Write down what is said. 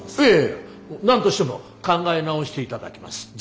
いや何としても考え直していただきます！